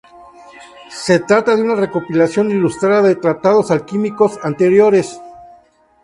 Se trata de una recopilación ilustrada de tratados alquímicos anteriores.